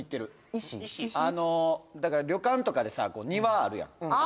あのだから旅館とかでさ庭あるやんあ！